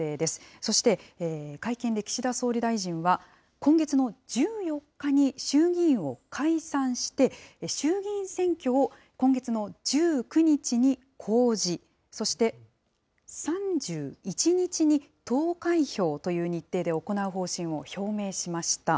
そして会見で岸田総理大臣は、今月の１４日に衆議院を解散して、衆議院選挙を今月の１９日に公示、そして３１日に投開票という日程で行う方針を表明しました。